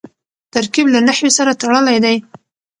ترکیب له نحوي سره تړلی دئ.